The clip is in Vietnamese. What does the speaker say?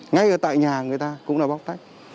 ngay ở tại nhà người ta cũng là bóc tách